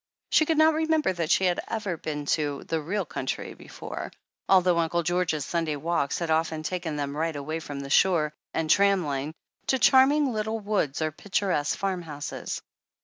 She could not remember that she had ever been to "the real country" before, although Uncle George's Sunday walks had often taken them right away from shore and tram line, to charming little woods or pic turesque farmhouses.